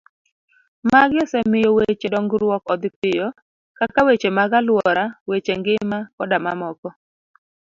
Magi osemiyo weche dongruok odhi piyo, kaka weche mag aluora, weche ngima koda mamoko.